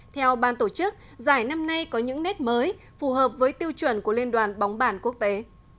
theo ban tổ chức giải năm nay có những nét mới phù hợp với tiêu chuẩn của liên đoàn bóng bàn quốc tế